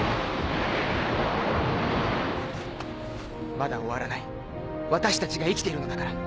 まだ終わらない私たちが生きているのだから。